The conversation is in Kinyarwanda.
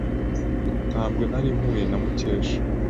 Ntabwo nari mpuye na Mukesha.